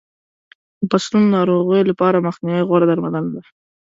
د فصلونو د ناروغیو لپاره مخنیوی غوره درملنه ده.